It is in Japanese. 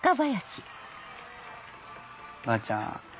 ばあちゃん。